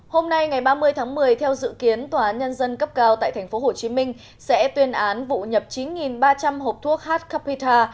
hôm nay ngày ba mươi tháng một mươi theo dự kiến tòa nhân dân cấp cao tại tp hcm sẽ tuyên án vụ nhập chín ba trăm linh hộp thuốc h capita